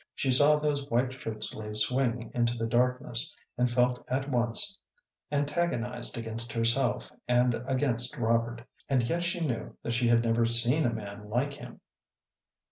She saw those white shirt sleeves swing into the darkness, and felt at once antagonized against herself and against Robert, and yet she knew that she had never seen a man like him.